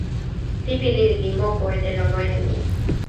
pipi lili li moku e telo loje mi.